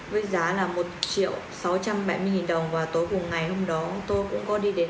với giá là một triệu sáu trăm bảy mươi đồng và tối cùng ngày hôm đó tôi cũng có đi đến